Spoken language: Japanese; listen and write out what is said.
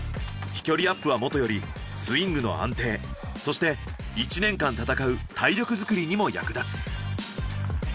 飛距離アップはもとよりスイングの安定そして１年間戦う体力づくりにも役立つ。